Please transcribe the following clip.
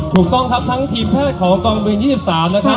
ถูกต้องครับทั้งทีมแพทย์ของกองบิน๒๓นะครับ